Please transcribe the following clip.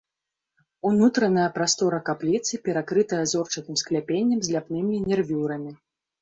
Унутраная прастора капліцы перакрытая зорчатым скляпеннем з ляпнымі нервюрамі.